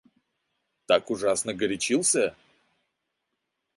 Так ужасно горячился?